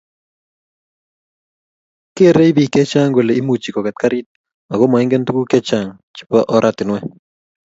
Kerei bik chechang kole imuchi koket garit ako moingen tuguk chechang chebo oratinwek